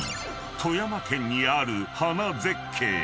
［富山県にある花絶景］